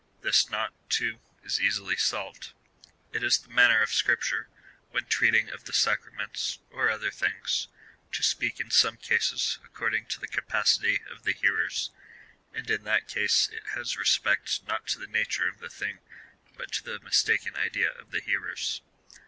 This knot, too, is easily solved. It is the manner of scripture, when treating of the sacraments, or other things, to speak in some cases according to the capacity of the hearers, and in that case it has respect not to the nature of the thing, but to the mistaken idea of the hearers.